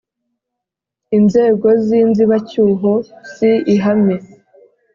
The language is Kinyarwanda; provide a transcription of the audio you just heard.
inzego z inzibacyuho si ihame